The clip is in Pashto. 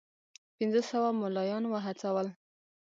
پنځه سوه مُلایان وهڅول.